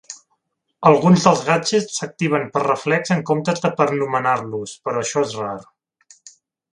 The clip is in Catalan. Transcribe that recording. Alguns dels gadgets s'activen per reflex en comptes de per nomenar-los, però això és rar.